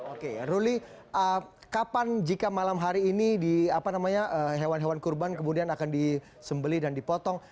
oke ruli kapan jika malam hari ini hewan hewan kurban kemudian akan disembeli dan dipotong